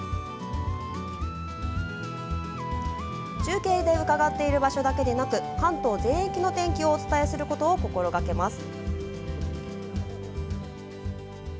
中継で伺っている場所だけでなく関東全域のお天気をお伝えすることを心がけます。